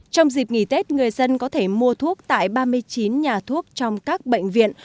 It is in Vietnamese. trong dịp nghỉ tết người dân có thể mua thuốc tại ba mươi chín nhà thuốc trong các bệnh viện